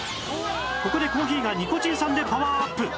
ここでコーヒーがニコチン酸でパワーアップ